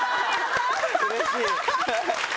うれしい！